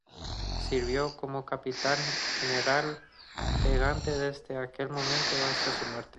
Sirvió como capitán general de Gante desde aquel momento hasta su muerte.